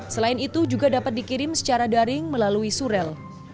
selain itu juga dapat dikirim secara daring melalui surel